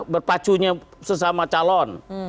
berpacunya sesama calon